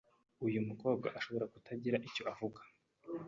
Uyu mukobwa ashobora kutagira icyo avuga